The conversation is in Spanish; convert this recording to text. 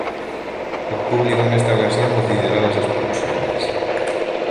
El público en esta ocasión decidirá las expulsiones.